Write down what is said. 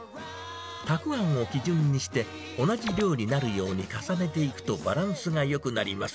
たくあんを基準にして、同じ量になるように重ねていくとバランスがよくなります。